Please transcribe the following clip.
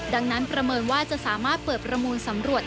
ดังนั้นประเมินว่าจะสามารถเปิดประมูลสำรวจ